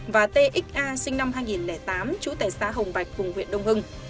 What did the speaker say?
và txa sinh năm hai nghìn tám trú tại xá hồng bạch cùng huyện đông hưng